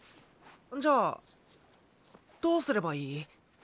じゃあどうすればいい？